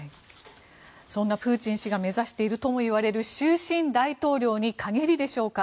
そんなプーチン氏が目指しているともいわれる終身大統領に陰りでしょうか。